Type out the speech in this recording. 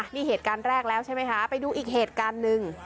นี่เหตุการณ์แรกแล้วใช่ไหมคะไปดูอีกเหตุการณ์หนึ่ง